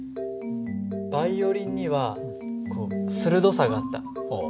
バイオリンにはこう鋭さがあった。